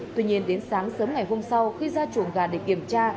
tuy nhiên đến sáng sớm ngày hôm sau khi ra chuồng gà để kiểm tra